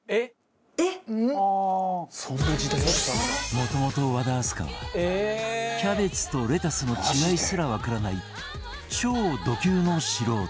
もともと和田明日香はキャベツとレタスの違いすらわからない超ド級の素人